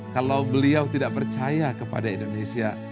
kalau beliau tidak percaya kepada indonesia